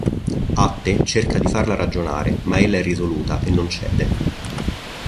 Atte cerca di farla ragionare ma ella è risoluta e non cede.